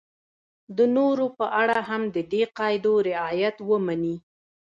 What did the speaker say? د نورو په اړه هم د دې قاعدو رعایت ومني.